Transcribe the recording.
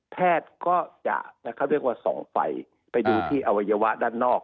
แพทย์ก็จะเรียกว่าส่องไฟไปดูที่อวัยวะด้านนอก